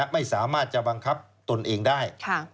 ไม่สามารถจะบังคับตนเองได้